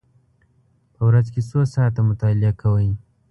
په ورځ کې څو ساعته مطالعه کوئ؟